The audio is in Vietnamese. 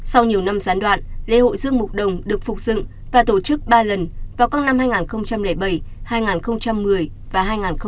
sau nhiều năm gián đoạn lễ hội dương mục đồng được phục dựng và tổ chức ba lần vào các năm hai nghìn bảy hai nghìn một mươi và hai nghìn một mươi